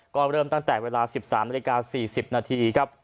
ก็เริ่มตั้งแต่เวลา๑๓นาฬิกา๔๐นาทีครับ